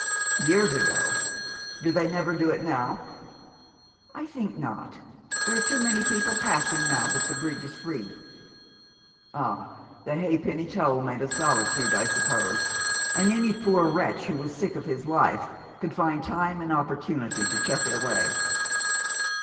" Years ago ! Do they never do it now ?"" I think not. There are too many people passing now that the bridge is free." " Ah, the halfpenny toll made a solitude, I sup pose, and any poor wretch who was sick of his life could find time and opportunity to chuck it away."